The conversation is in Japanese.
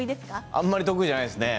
あまり得意じゃないですね。